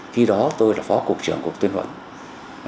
khi đó tôi là phó cục trưởng cục tuyên huấn